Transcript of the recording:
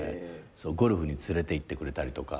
ゴルフに連れていってくれたり。